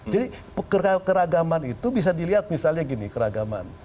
jadi keragaman itu bisa dilihat misalnya gini keragaman